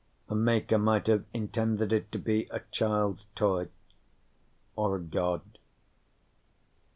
The maker might have intended it to be a child's toy or a god.